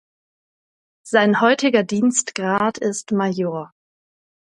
Sein heutiger Dienstgrad ist Major.